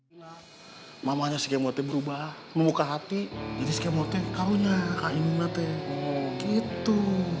hai mamanya sikemote berubah membuka hati ini sikemote kawannya kain nate gitu